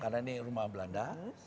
karena ini rumah belanda